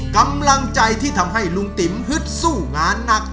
กำลังใจที่ทำให้ลุงติ๋มฮึดสู้งานหนัก